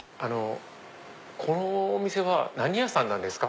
このお店は何屋さんなんですか？